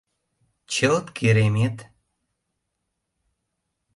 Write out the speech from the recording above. Чылт керемет!